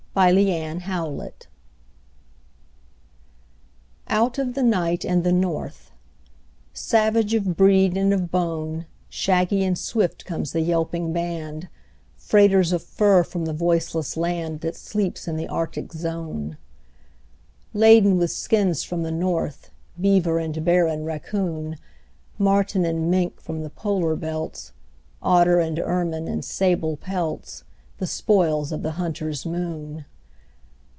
THE TRAIN DOGS Out of the night and the north; Savage of breed and of bone, Shaggy and swift comes the yelping band, Freighters of fur from the voiceless land That sleeps in the Arctic zone. Laden with skins from the north, Beaver and bear and raccoon, Marten and mink from the polar belts, Otter and ermine and sable pelts The spoils of the hunter's moon.